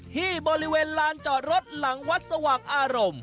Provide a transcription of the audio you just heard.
ที่บริเวณลานจอดรถหลังวัดสว่างอารมณ์